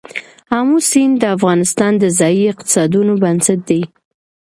آمو سیند د افغانستان د ځایي اقتصادونو بنسټ دی.